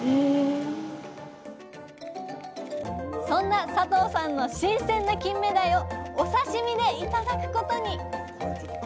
そんな佐藤さんの新鮮なキンメダイをお刺身で頂くことに！